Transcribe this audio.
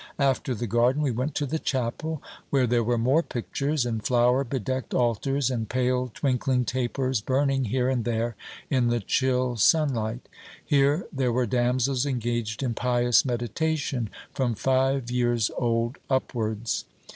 After the garden we went to the chapel, where there were more pictures, and flower bedecked altars, and pale twinkling tapers burning here and there in the chill sunlight. Here there were damsels engaged in pious meditation, from five years old upwards.